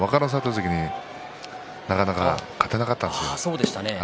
関になかなか勝てなかったんです。